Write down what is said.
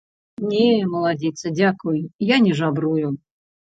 Не, маладзіца, дзякуй, я не жабрую.